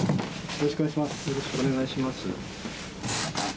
よろしくお願いします。